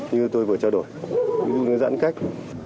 như tôi vừa trao đổi giữ giãn cách